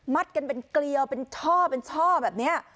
กันเป็นเกลียวเป็นช่อเป็นช่อแบบนี้